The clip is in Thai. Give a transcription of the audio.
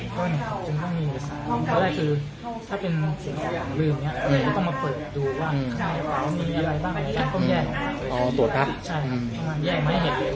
ก็อันนี้ก็ออกภาษาผู้คำสามารถว่ามันจะหมด